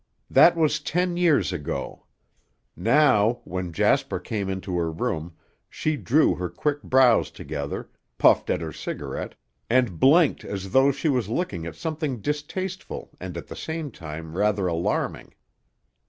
That was ten years ago. Now, when Jasper came into her room, she drew her quick brows together, puffed at her cigarette, and blinked as though she was looking at something distasteful and at the same time rather alarming.